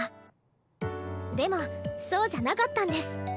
でもそうじゃなかったんです。